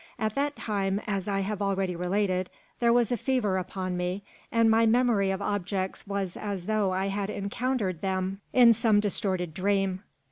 At that time, as I have already related, there was fever upon me; and my memory of objects was as though I had encountered them in some distorted dream.